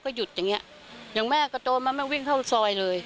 หยุดอย่างเงี้ยอย่างแม่ก็โดนมาแม่วิ่งเข้าซอยเลย